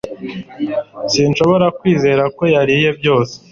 Sinshobora kwizera ko yariye byose